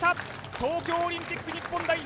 東京オリンピック日本代表